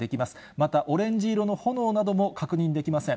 またオレンジ色の炎なども確認できません。